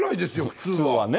普通はね。